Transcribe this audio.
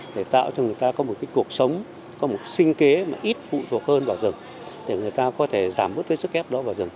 để tạo cho người ta có một cuộc sống có một sinh kế mà ít phụ thuộc hơn vào rừng để người ta có thể giảm bứt cái sức ép đó